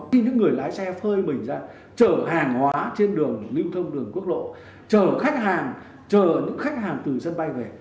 khi những người lái xe phơi mình ra chở hàng hóa trên đường lưu thông đường quốc lộ chở khách hàng chờ những khách hàng từ sân bay về